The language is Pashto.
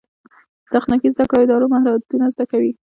د تخنیکي زده کړو اداره مهارتونه زده کوي